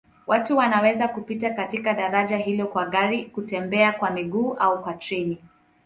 Watu wanaweza kupita katika daraja hilo kwa gari, kutembea kwa miguu au kwa treni.